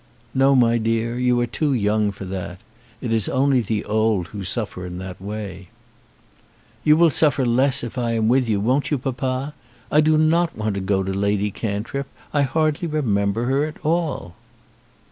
"No, my dear; you are too young for that. It is only the old who suffer in that way." "You will suffer less if I am with you; won't you, papa? I do not want to go to Lady Cantrip. I hardly remember her at all."